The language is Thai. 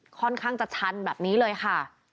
ค่อนข้างจะชันแบบนี้เลยค่ะ